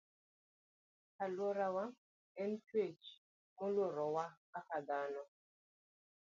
Aluorawa en chuech moluorowa kaka dhano